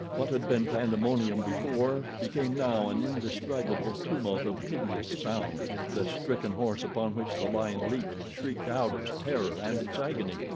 What had been pandemonium before became now an indescribable tumult of hideous sound. The stricken horse upon which the lion leaped shrieked out its terror and its agony.